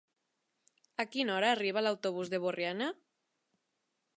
A quina hora arriba l'autobús de Borriana?